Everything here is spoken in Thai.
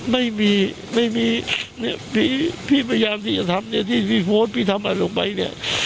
ไม่มีไม่มีเนี่ยพี่พยายามที่จะทำเนี่ยที่พี่โพสต์พี่ทำอะไรลงไปเนี่ย